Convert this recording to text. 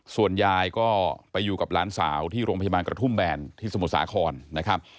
ส่วนยายก็ไปอยู่กับหลานสาวที่โรงพยาบาลกระทุ่มแบนที่สมุทรสาครนะครับ